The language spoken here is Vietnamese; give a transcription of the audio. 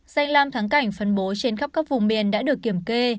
danh lam thắng cảnh phân bố trên khắp các vùng miền đã được kiểm kê